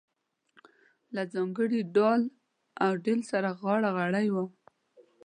له ځانګړي ډال و ډیل سره غاړه غړۍ وه.